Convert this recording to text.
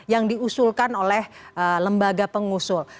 yang diusulkan oleh lembaga pengusul